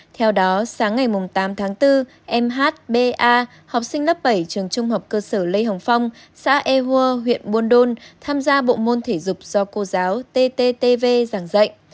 theo đó sáng ngày tám tháng bốn mhba học sinh lớp bảy trường trung học cơ sở lê hồng phong xã ehua huyện buôn đôn tham gia bộ môn thể dục do cô giáo tttv giảng dạy